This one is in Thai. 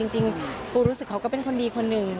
จริงปูรู้สึกเขาก็เป็นคนดีคนหนึ่ง